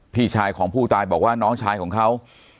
พี่ชายของผู้ตายบอกว่าน้องชายของเขา